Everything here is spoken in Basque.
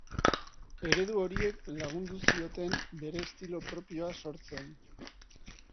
Eredu horiek lagundu zioten bere estilo propioa sortzen.